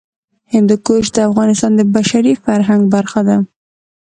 هندوکش د افغانستان د بشري فرهنګ برخه ده.